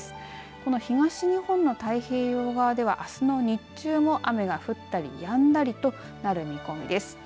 この東日本の太平洋側ではあすの日中も雨が降ったりやんだりとなる見込みです。